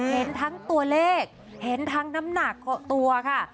เห็นทั้งตัวเลขเห็นทั้งน้ำหนักตัวค่ะ